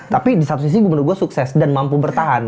tapi di satu sisi gubernur gue sukses dan mampu bertahan